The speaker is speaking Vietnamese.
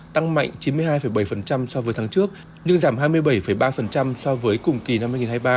tăng mạnh chín mươi hai bảy so với tháng trước nhưng giảm hai mươi bảy ba so với cùng kỳ năm hai nghìn hai mươi ba